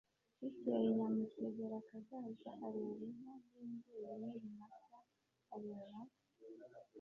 Bukeye Nyamutegerakazaza areba inka z imbyeyi n ibimasa areba